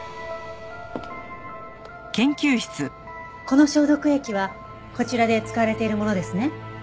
この消毒液はこちらで使われているものですね。